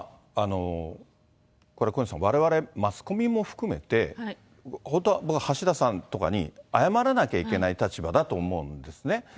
小西さん、われわれマスコミも含めて、本当は、僕は橋田さんとかに謝らなきゃいけない立場だと思うんですね。